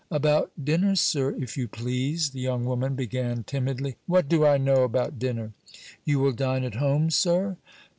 "About dinner, sir, if you please?" the young woman began timidly. "What do I know about dinner?" "You will dine at home, sir?"